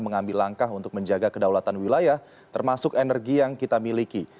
mengambil langkah untuk menjaga kedaulatan wilayah termasuk energi yang kita miliki